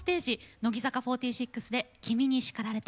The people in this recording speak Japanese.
乃木坂４６で「君に叱られた」。